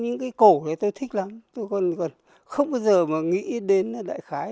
những cái cổ này tôi thích lắm tôi còn không bao giờ mà nghĩ đến đại khái